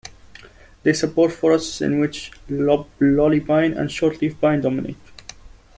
They support forests in which loblolly pine and shortleaf pine dominate.